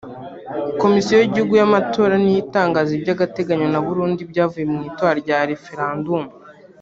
Komisiyo y’Igihugu y’Amatora ni yo itangaza by’agateganyo na burundu ibyavuye mu itora rya referandumu